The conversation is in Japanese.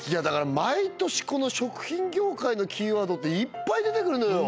毎年この食品業界のキーワードっていっぱい出てくるのよ